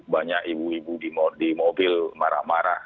banyak ibu ibu di mobil marah marah